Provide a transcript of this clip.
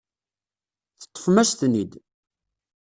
Teṭṭfem-as-ten-id.